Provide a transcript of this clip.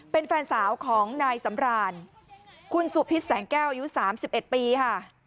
เป็นแฟนสาวของนายสำรานคุณสุพิษแสงแก้วอายุ๓๑ปีค่ะ